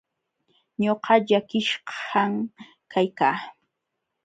Ñuqa llakishqan kaykaa.